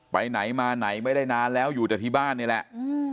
ไปไหนมาไหนไม่ได้นานแล้วอยู่แต่ที่บ้านนี่แหละอืม